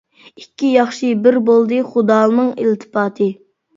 ئىككى ياخشى بىر بولدى، خۇدانىڭ ئىلتىپاتى.